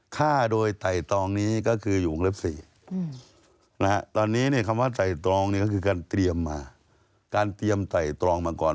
ฆ่าโดยไตรตรองนี้ก็คืออยู่วงเล็บ๔ตอนนี้คำว่าไตรตรองนี้ก็คือการเตรียมไตรตรองมาก่อน